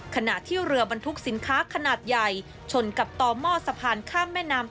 ขณะที่เรือบรรทุกสินค้าขนาดใหญ่ชนกับต่อหม้อสะพานข้ามแม่น้ำ